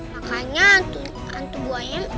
makanya hantu buaya